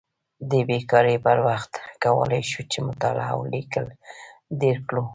د بیکارۍ پر وخت کولی شو چې مطالعه او لیکل ډېر کړو.